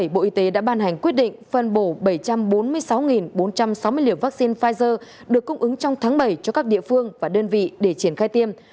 bộ y tế đã ban hành quyết định phân bổ bảy trăm bốn mươi sáu bốn trăm sáu mươi liều vaccine pfizer được cung ứng trong tháng bảy cho các địa phương và đơn vị để triển khai tiêm